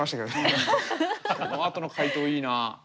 このあとの回答いいなあ。